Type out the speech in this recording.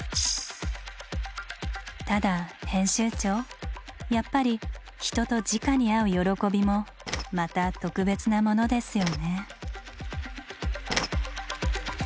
ただ編集長やっぱり人とじかに会う喜びもまた特別なものですよね。